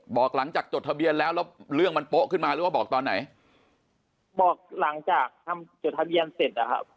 บอกหลังจากจดทะเบียนแล้วแล้วเรื่องมันโป๊ะขึ้นมาหรือว่าบอกตอนไหนบอกหลังจากทำจดทะเบียนเสร็จนะครับ